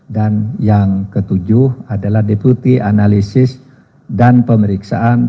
dan yang ketujuh adalah deputi analisis dan pemeriksaan